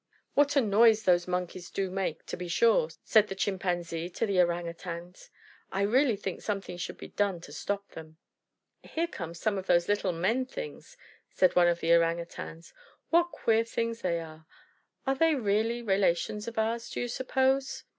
"What a noise those Monkeys do make, to be sure!" said the Chimpanzee to the Orang Utangs. "I really think something should be done to stop them." "Here comes some of these little men things!" said one of the Orang Utangs. "What queer things they are! Are they really relations of ours, do you suppose?"